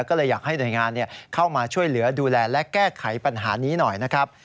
ก็เลยอยากให้หน่วยงานเข้ามาช่วยเหลือดูแลและแก้ไขปัญหานี้หน่อยนะครับ